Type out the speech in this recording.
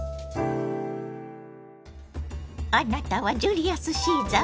あなたはジュリアス・シーザー？